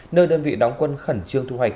nơi đơn vị đóng quân khẩn trương thu hoạch